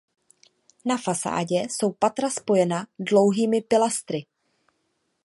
Na fasádě jsou patra spojena dlouhými pilastry.